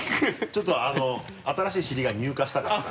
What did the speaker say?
ちょっと新しい尻が入荷したからさ。